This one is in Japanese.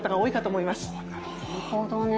なるほどね。